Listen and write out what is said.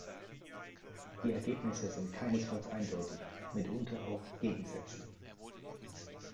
Die Ergebnisse sind keinesfalls eindeutig, mitunter auch gegensätzlich.